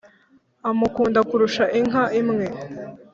amukunda kurusha inka imwe